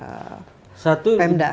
atau lebih permintaan dari pemda